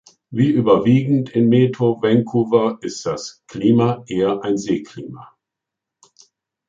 Wie überwiegend in Metro Vancouver ist das Klima eher ein Seeklima.